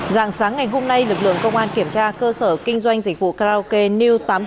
rạng sáng ngày hôm nay lực lượng công an kiểm tra cơ sở kinh doanh dịch vụ karaoke new tám mươi sáu